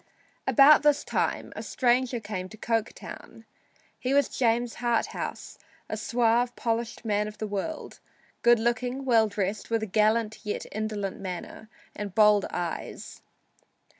About this time a stranger came to Coketown. He was James Harthouse, a suave, polished man of the world, good looking, well dressed, with a gallant yet indolent manner and bold eyes.